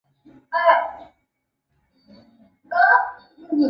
天主教巴瑟斯特教区是澳大利亚一个罗马天主教教区。